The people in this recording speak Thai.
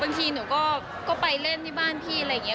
บางทีหนูก็ไปเล่นที่บ้านพี่อะไรอย่างนี้